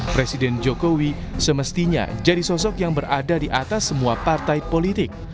presiden jokowi semestinya jadi sosok yang berada di atas semua partai politik